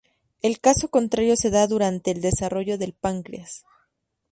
El caso contrario se da durante el desarrollo del páncreas.